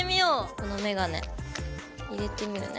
このメガネ入れてみるね。